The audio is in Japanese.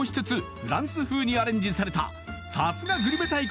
フランス風にアレンジされたさすがグルメ大国